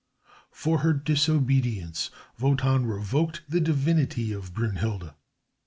For her disobedience Wotan revoked the divinity of Brünnhilde.